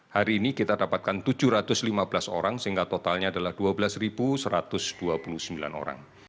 hari ini kita dapatkan tujuh ratus lima belas orang sehingga totalnya adalah dua belas satu ratus dua puluh sembilan orang